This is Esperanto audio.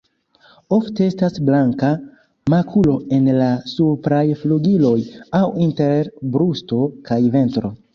Ofte estas blanka makulo en la supraj flugiloj aŭ inter brusto kaj ventro.